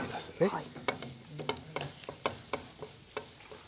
はい。